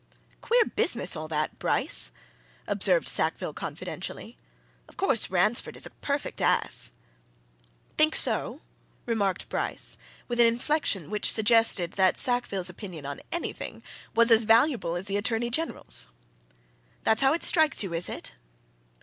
"Queer business, all that, Bryce!" observed Sackville confidentially. "Of course, Ransford is a perfect ass!" "Think so?" remarked Bryce, with an inflection which suggested that Sackville's opinion on anything was as valuable as the Attorney General's. "That's how it strikes you, is it?"